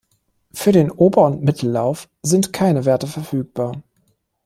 Für den Ober- und Mittellauf sind keine Werte verfügbar.